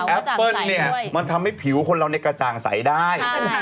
แอปเปิ้ลมันทำให้ผิวคนเรายังใกล้สั่งใสได้